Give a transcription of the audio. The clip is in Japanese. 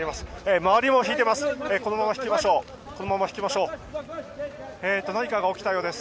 周りも引いています。